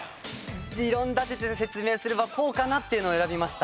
理論立てて説明すればこうかなっていうのを選びました。